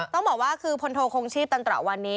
ต้องบอกว่าคือพลโทคงชีพตันตระวันนี้